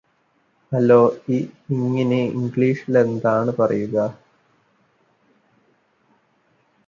hello ഈ ഹിംഗിന് ഇംഗ്ലീഷിലെന്താണ് പറയുക